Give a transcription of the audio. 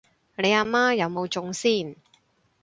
你阿媽有冇中先？